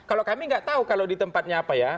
kalau kami nggak tahu kalau di tempatnya apa ya